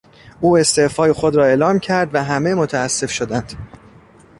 او استعفای خود را اعلام کرد و همه متاسف شدند.